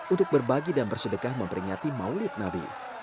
untuk berbagi dan bersedekah memperingati maulid nabi